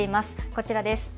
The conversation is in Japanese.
こちらです。